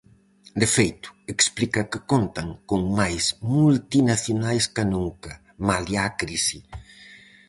De feito, explica que contan "con máis multinacionais ca nunca, malia a crise".